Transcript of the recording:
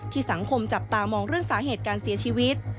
สังคมจับตามองเรื่องสาเหตุการเสียชีวิต